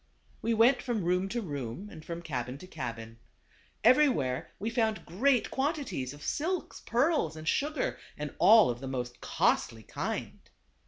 We went from room to room, and from cabin to cabin. Everywhere we found great quantities of silks, pearls, and sugar ; and all of the most costly kind.